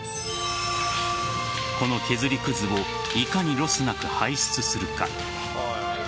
この削りくずをいかにロスなく排出するか。